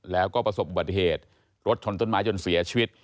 แล้วก็ประสบอุบัติเหตุรถชนต้นไม้จนเสียชีวิต